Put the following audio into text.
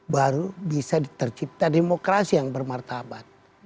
baru bisa ditercipta demokrasi yang bermartabat